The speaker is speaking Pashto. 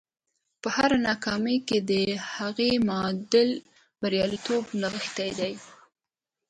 په هره ناکامۍ کې د هغې معادل بریالیتوب نغښتی دی